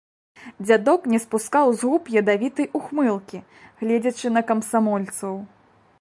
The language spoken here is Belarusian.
Дзядок не спускаў з губ ядавітай ухмылкі, гледзячы на камсамольцаў.